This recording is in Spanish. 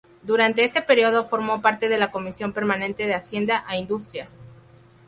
Durante este período, formó parte de la comisión permanente de Hacienda e Industrias.